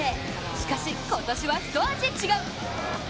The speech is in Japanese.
しかし今年は、ひと味違う。